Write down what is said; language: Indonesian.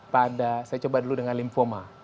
pada saya coba dulu dengan lymphoma